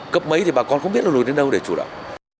cấp mấy thì bà con không biết lụt đến đâu để chủ động